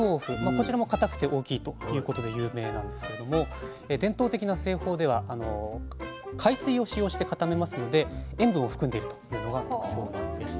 こちらも固くて大きいということで有名なんですけれども伝統的な製法では海水を使用して固めますので塩分を含んでるというのが特徴なんです。